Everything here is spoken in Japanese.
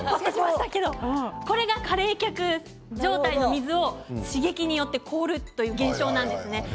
これが過冷却状態の水を刺激によって凍るという現象なんですね。